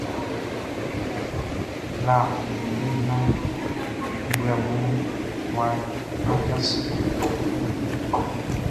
La ndɛndɛ naan nglɛmunʼn wʼa djaso ndɛndɛ.